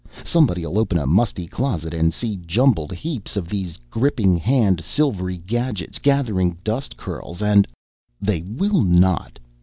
Somebody'll open a musty closet and see jumbled heaps of these gripping hand silvery gadgets gathering dust curls and " "They will not!"